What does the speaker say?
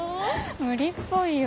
無理っぽいよ。